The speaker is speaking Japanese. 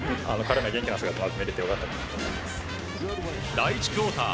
第１クオーター